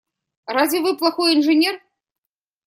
Разве вы плохой инженер?